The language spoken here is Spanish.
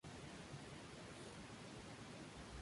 Fuera de las pistas trabajó por la seguridad vial.